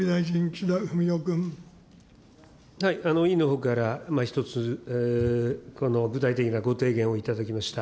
委員のほうから一つ、具体的なご提言を頂きました。